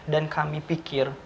dan kami pikir